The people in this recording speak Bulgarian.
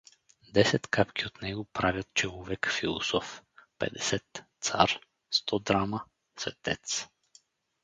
Десет капки от него правят человека философ, петдесет — цар, сто драма — светец!